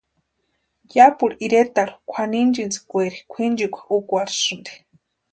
Yapuru iretecharhu kwʼaninchintskweeri kwʼinchikwa únhasïnti.